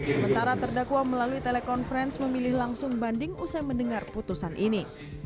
sementara terdakwa melalui telekonferensi memilih langsung banding usai mendengar putusan ini